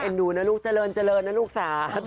ดูนะลูกเจริญเจริญนะลูกสา